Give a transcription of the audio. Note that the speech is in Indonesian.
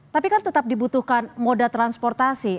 tapi kan tetap dibutuhkan moda transportasi